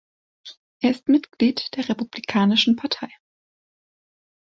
Er ist Mitglied der Republikanischen Partei.